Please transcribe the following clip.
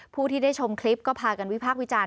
ผู้ที่ได้ชมคลิปก็พากันวิพากษ์วิจารณ